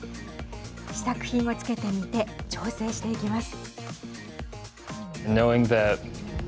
試作品をつけてみて調整していきます。